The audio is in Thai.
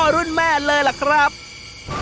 ถังนี้คือปู่ย่าตายายก่อนที่เขาจะเสียไป